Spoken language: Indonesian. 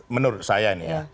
menurut saya ini ya